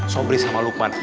sobri sama lukman